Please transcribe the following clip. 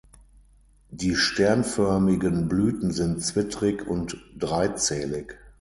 Die sternförmigen Blüten sind zwittrig und dreizählig.